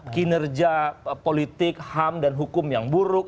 kinerja politik ham dan hukum yang buruk